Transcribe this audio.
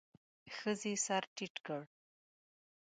ښځې سر ټيت کړ.